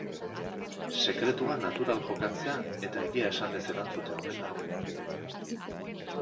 Sekretua natural jokatzea eta egia esanez erantzutea omen da.